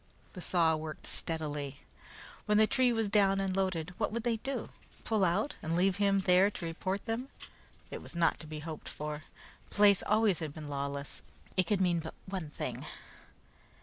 The saw worked steadily. When the tree was down and loaded, what would they do? Pull out, and leave him there to report them? It was not to be hoped for. The place always had been lawless. It could mean but one thing.